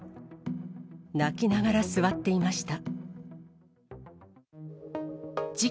泣きながら座っていました。